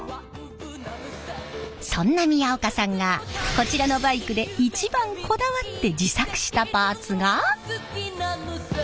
そんな宮岡さんがこちらのバイクで一番こだわって自作したパーツが。